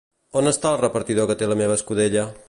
On està el repartidor que té la meva escudella?